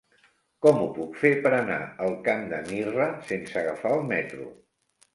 Com ho puc fer per anar al Camp de Mirra sense agafar el metro?